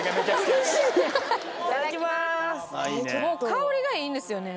香りがいいんですよね